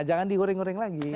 jangan dioreng oreng lagi